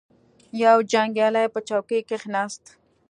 یو جنګیالی په چوکۍ کښیناست.